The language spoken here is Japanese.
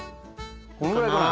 このぐらいかな？